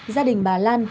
gia đình bà lan